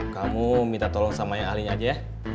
kamu minta tolong sama yang ahlinya aja